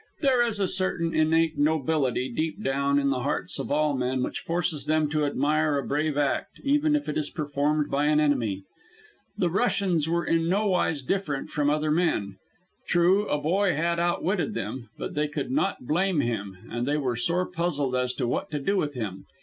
There is a certain innate nobility deep down in the hearts of all men, which forces them to admire a brave act, even if it is performed by an enemy. The Russians were in nowise different from other men. True, a boy had outwitted them; but they could not blame him, and they were sore puzzled as to what to do with him.